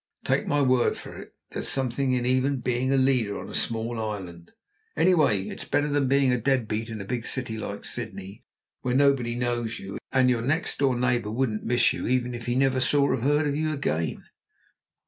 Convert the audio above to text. Take my word for it, there's something in even being a leader on a small island. Anyway, it's better than being a deadbeat in a big city like Sydney, where nobody knows you, and your next door neighbour wouldn't miss you if he never saw or heard of you again.